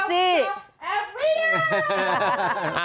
อัฟริกา